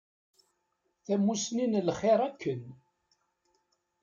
Tamussni n lxir a Ken.